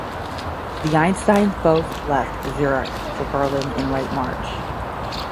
The Einsteins both left Zurich for Berlin in late March.